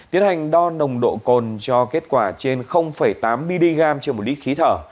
tiến hành đo nồng độ cồn cho kết quả trên tám mg trên một lít khí thở